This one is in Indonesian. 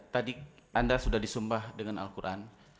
tadi anda sudah disumpah dengan al quran